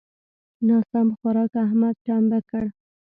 ناسم خوارک؛ احمد ټمبه کړ.